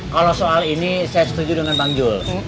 kalau soal ini saya setuju dengan bang jul